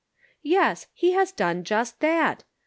" Yes, he has done just that.